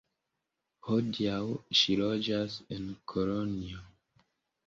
Hodiaŭ ŝi loĝas en Kolonjo.